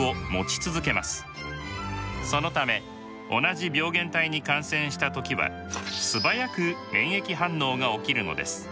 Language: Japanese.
そのため同じ病原体に感染した時は素早く免疫反応が起きるのです。